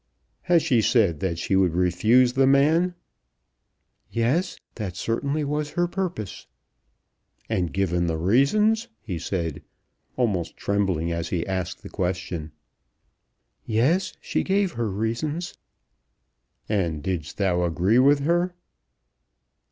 "Has she said that she would refuse the man?" "Yes; that certainly was her purpose." "And given the reasons?" he said, almost trembling as he asked the question. "Yes, she gave her reasons." "And didst thou agree with her?"